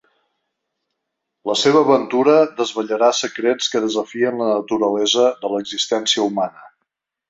La seva aventura desvetllarà secrets que desafien la naturalesa de l’existència humana.